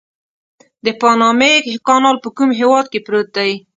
د پانامي کانال په کوم هېواد کې پروت دی؟